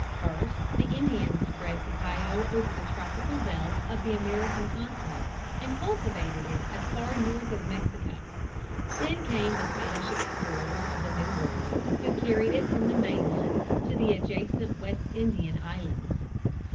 First the Indians spread cacao over the tropical belt of the American continent and cultivated it as far North as Mexico. Then came the Spanish explorers of the New World, who carried it from the mainland to the adjacent West Indian islands.